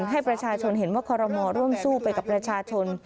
ให้ประชาชนเห็นว่าคอรมอร่วมสู้ไปกับประชาชน